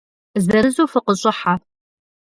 Зырызу фыкъыщӏыхьэ.